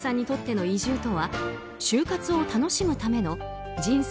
岩城さんにとっての移住とは終活を楽しむための人生